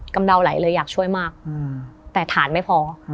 ำเดาไหลเลยอยากช่วยมากแต่ฐานไม่พอ